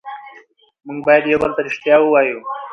موږ باید یو بل ته ریښتیا ووایو